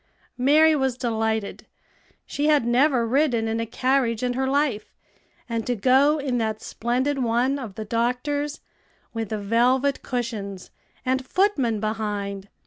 Mary was delighted. She had never ridden in a carriage in her life; and to go in that splendid one of the doctor's, with velvet cushions, and footmen behind!